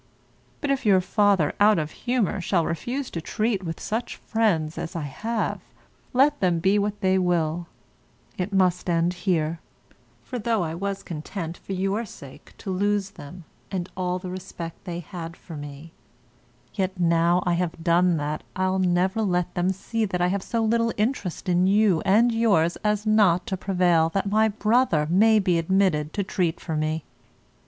But if your father, out of humour, shall refuse to treat with such friends as I have, let them be what they will, it must end here; for though I was content, for your sake, to lose them, and all the respect they had for me, yet, now I have done that, I'll never let them see that I have so little interest in you and yours as not to prevail that my brother may be admitted to treat for me.